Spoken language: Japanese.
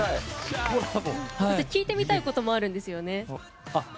聞いてみたいこともあるんですよね。